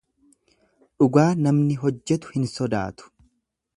Dhugaa namni hojjetu hin sodaatu.